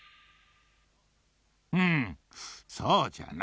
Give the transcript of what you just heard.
うんそうじゃな。